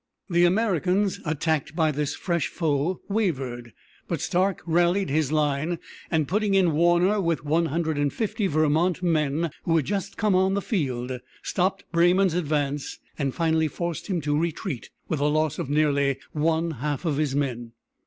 The Americans, attacked by this fresh foe, wavered; but Stark rallied his line, and putting in Warner, with one hundred and fifty Vermont men who had just come on the field, stopped Breymann's advance, and finally forced him to retreat with a loss of nearly one half his men.